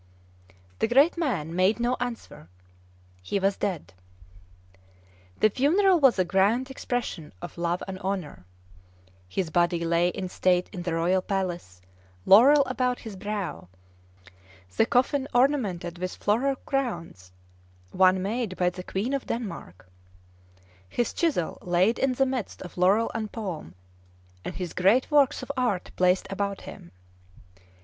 The great man made no answer; he was dead. The funeral was a grand expression of love and honor. His body lay in state in the Royal Palace, laurel about his brow, the coffin ornamented with floral crowns one made by the Queen of Denmark; his chisel laid in the midst of laurel and palm, and his great works of art placed about him.